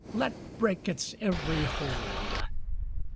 Let break its every hold!